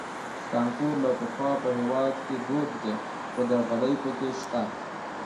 کانکور له پخوا په هېواد کې دود دی خو درغلۍ پکې شته